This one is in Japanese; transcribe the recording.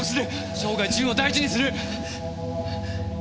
生涯ジュンを大事にする。